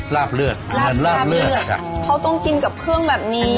ลาบเลือดเหมือนลาบเลือดอ่ะเขาต้องกินกับเครื่องแบบนี้